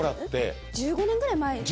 １５年ぐらい前？